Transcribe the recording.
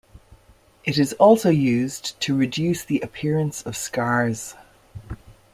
It is also used to reduce the appearance of scars.